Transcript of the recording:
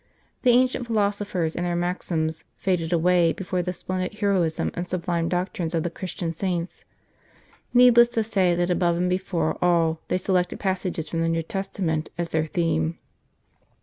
The ancient philosophers and their maxims faded away before the splendid heroism and sublime doctrines of the Christian saints. Needless to say that above and before all they selected passages from the New Testament as their theme.